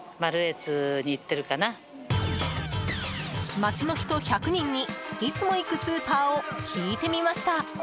街の人１００人にいつも行くスーパーを聞いてみました。